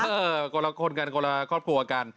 เออก่อนละคนกันก่อนละครอบครัวกัน